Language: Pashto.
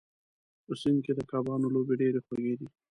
په سیند کې د کبانو لوبې ډېرې خوږې دي.